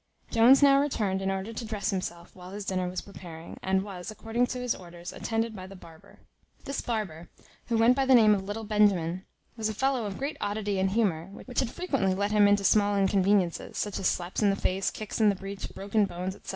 Jones now returned in order to dress himself, while his dinner was preparing, and was, according to his orders, attended by the barber. This barber, who went by the name of Little Benjamin, was a fellow of great oddity and humour, which had frequently let him into small inconveniencies, such as slaps in the face, kicks in the breech, broken bones, &c.